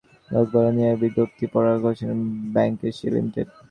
Bank Asia লিমিটেডবিভিন্ন পদে লোকবল নিয়োগের বিজ্ঞপ্তি প্রকাশ করেছে ব্যাংক এশিয়া লিমিটেড।